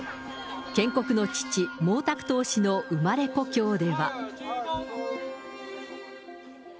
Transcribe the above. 建国の父、毛沢東氏の生まれ故郷では。